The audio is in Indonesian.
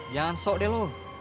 jangan sok deh lo